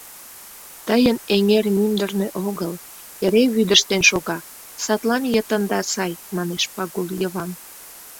Тыйын эҥер мӱндырнӧ огыл, эре вӱдыжтен шога, садлан йытында сай, — манеш Пагул Йыван.